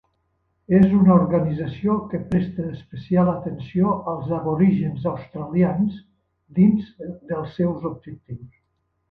És una organització que presta especial atenció als aborígens australians, dins dels seus objectius.